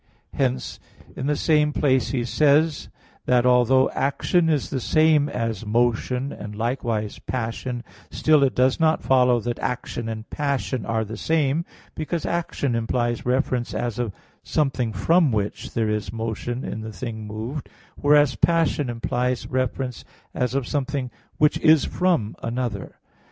Hence in the same place he says that although action is the same as motion, and likewise passion; still it does not follow that action and passion are the same; because action implies reference as of something "from which" there is motion in the thing moved; whereas passion implies reference as of something "which is from" another.